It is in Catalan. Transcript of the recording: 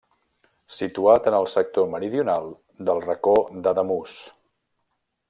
Situat en el sector meridional del Racó d'Ademús.